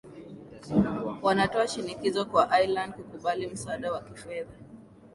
wanatoa shinikizo kwa ireland kukubali msaada wa kifedha